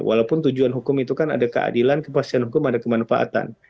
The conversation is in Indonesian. walaupun tujuan hukum itu kan ada keadilan kepastian hukum ada kemanfaatan